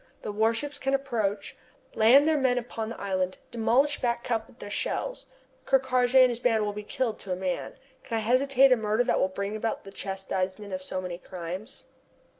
The warships can approach, land their men upon the island, demolish Back Cup with their shells. Ker Karraje and his band will be killed to a man. Can I hesitate at a murder that will bring about the chastisement of so many crimes?